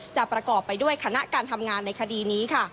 ประกอบไปด้วยคณะการทำงานในคดีนี้ค่ะ